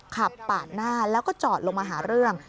ขับปาดหน้าแล้วก็จอดลงมาหาเรื่อง